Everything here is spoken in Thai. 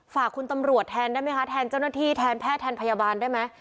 ฝากคุณตำรวจแทนได้ไหมคะแทนเจ้าหน้าที่แทนแพทย์แทนพยาบาลได้ไหม